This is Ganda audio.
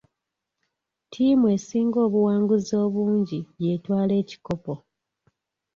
Ttiimu esinga obuwanguzi obungi yeetwala ekikopo.